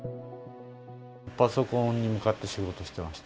パソコンに向かって仕事してました。